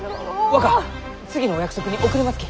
若次のお約束に遅れますき！